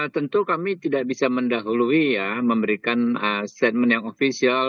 tentu kami tidak bisa mendahului ya memberikan statement yang ofisial